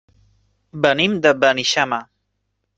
Venim de Beneixama.